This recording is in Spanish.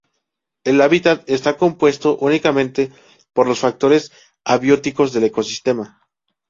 El hábitat está compuesto únicamente por los factores abióticos del ecosistema.